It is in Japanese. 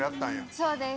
そうです。